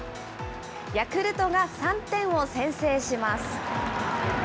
ヤクルトが３点を先制します。